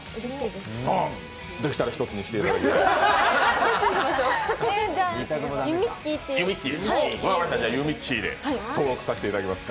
できたら一つにしていただきたいです。